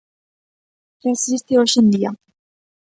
Xa existe hoxe en día.